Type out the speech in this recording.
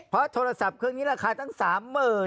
เพราะโทรศัพท์นี้ราคาทั้ง๓หมื่น